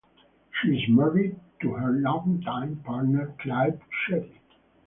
She is married to her longtime partner Clive Chetty.